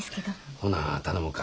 ほな頼もか。